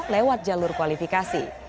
lewat jalur kualifikasi